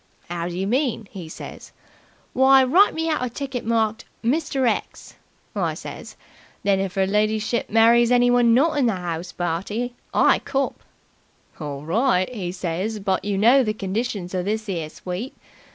'Ow do you mean?' 'e says. 'Why, write me out a ticket marked "Mr. X.",' I says. 'Then, if 'er lidyship marries anyone not in the 'ouse party, I cop!' 'Orl right,' 'e says, 'but you know the conditions of this 'ere sweep.